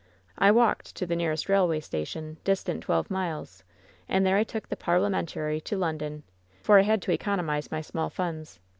I walked to the nearest railway station, distant twelve miles, and there I took the ^Parliamentary' to London — for I had to econ omize my small funds.